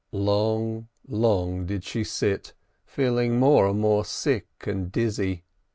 Long, long did she sit, feeling more and more sick and dizzy.